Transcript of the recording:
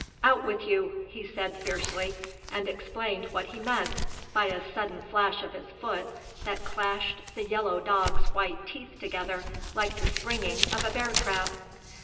"Out with you!" he said, fiercely, and explained what he meant by a sudden flash of his foot that clashed the yellow dog's white teeth together like the springing of a bear trap.